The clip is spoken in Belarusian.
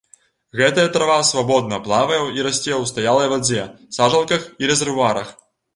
Гэтая трава свабодна плавае і расце ў стаялай вадзе, сажалках і рэзервуарах.